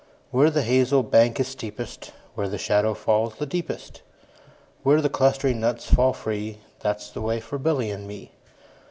Where the hazel bank is steepest, Where the shadow falls the deepest, Where the clustering nuts fall free, 15 That 's the way for Billy and me.